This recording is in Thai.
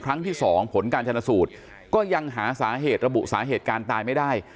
ครั้งที่๒ผลการชนสูตรก็ยังหาสาเหตุระบุสาเหตุการตายไม่ได้